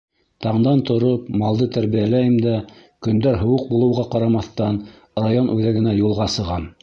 Таңдан тороп, малды тәрбиәләйем дә, көндәр һыуыҡ булыуға ҡарамаҫтан, район үҙәгенә юлға сығам.